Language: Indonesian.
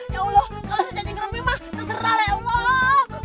ya allah kalau saya jadi gerumim mah terserah lah ya allah